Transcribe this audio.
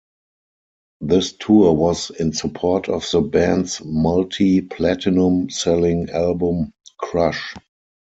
This tour was in support of the band's multi-platinum selling album Crush.